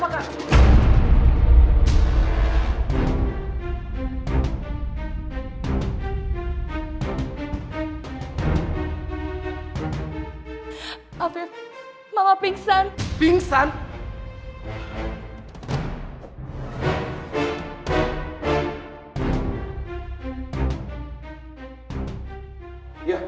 aku cuma pengen tahu aja